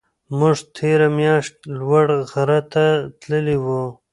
موږ تېره میاشت لوړ غره ته تللي وو.